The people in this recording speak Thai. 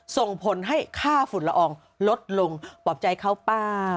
ส่งผลให้ค่าฝุ่นละอองลดลงปลอบใจเขาป้า